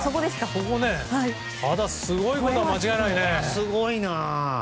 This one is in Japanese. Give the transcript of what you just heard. ただ、すごいことは間違いないね。